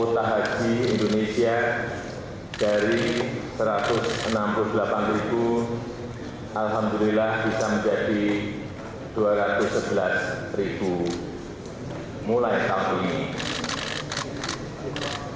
untuk jumlah kuota haji indonesia dari satu ratus enam puluh delapan ribu alhamdulillah bisa menjadi dua ratus sebelas ribu mulai tahun ini